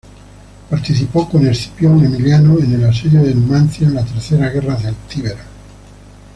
Participó con Escipión Emiliano en el asedio de Numancia en la tercera guerra celtíbera.